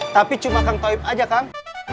tapi cuma kang toib aja kang